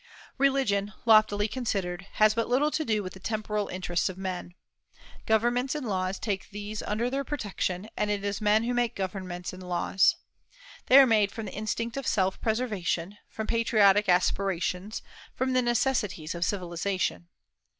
Religion, loftily considered, has but little to do with the temporal interests of men. Governments and laws take these under their protection, and it is men who make governments and laws. They are made from the instinct of self preservation, from patriotic aspirations, from the necessities of civilization.